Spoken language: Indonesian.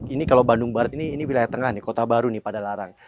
ini kalau bandung barat ini wilayah tengah nih kota baru nih pada larang